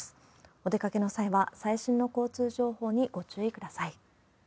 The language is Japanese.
お出かけの際は、最新の交通情報にご注意ください。